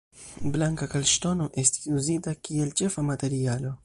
Blanka kalkŝtono estis uzita kiel la ĉefa materialo.